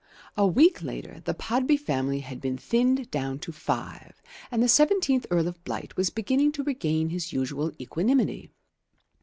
A week later the Podby family had been thinned down to five, and the seventeenth Earl of Blight was beginning to regain his usual equanimity.